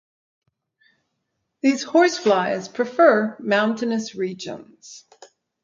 These horse flies prefer mountainous regions.